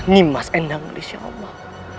nimas endangulis ya allah